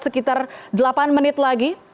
sekitar delapan menit lagi